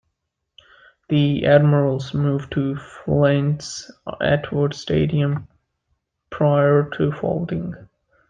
The Admirals moved to Flint's Atwood Stadium prior to folding.